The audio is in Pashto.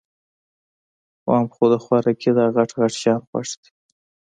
وام خو د خوارکي داغټ غټ شیان خوښ دي